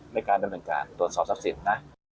ในการดำเนินการตรวจสอบทรัพย์สินนะ